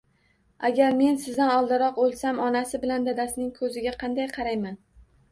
Agar men sizdan oldinroq oʻlsam, onasi bilan dadasining koʻziga qanday qarayman